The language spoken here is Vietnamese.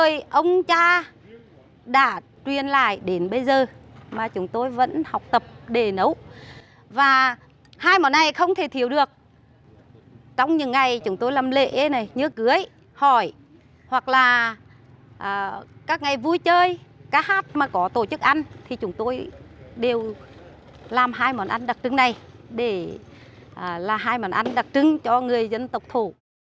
chúng ta đã truyền lại đến bây giờ mà chúng tôi vẫn học tập để nấu và hai món này không thể thiếu được trong những ngày chúng tôi làm lễ nhớ cưới hỏi hoặc là các ngày vui chơi các hát mà có tổ chức ăn thì chúng tôi đều làm hai món ăn đặc trưng này để là hai món ăn đặc trưng cho người dân tộc thổ